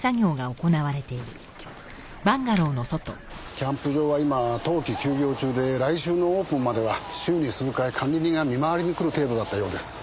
キャンプ場は今冬季休業中で来週のオープンまでは週に数回管理人が見回りに来る程度だったようです。